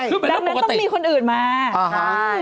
ดังนั้นต้องมีคนอื่นมาใช่